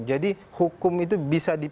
jadi hukum itu bisa dipilih